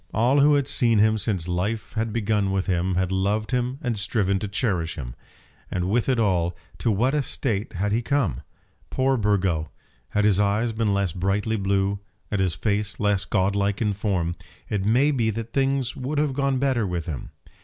All who had seen him since life had begun with him had loved him and striven to cherish him. And with it all, to what a state had he come! Poor Burgo! had his eyes been less brightly blue, and his face less godlike in form, it may be that things would have gone better with him.